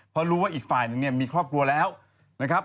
เพราะรู้ว่าอีกฝ่ายหนึ่งเนี่ยมีครอบครัวแล้วนะครับ